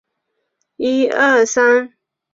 你得到我的身子也得不到我的心的